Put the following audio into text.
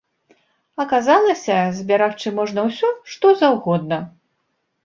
Аказалася, зберагчы можна ўсё, што заўгодна.